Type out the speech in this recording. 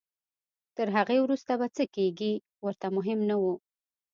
تر هغې وروسته به څه کېږي ورته مهم نه وو.